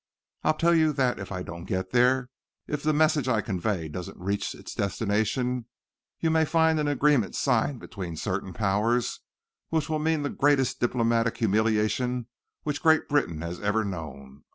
I tell you that if I don't get there, if the message I convey doesn't reach its destination, you may find an agreement signed between certain Powers which will mean the greatest diplomatic humiliation which Great Britain has ever known.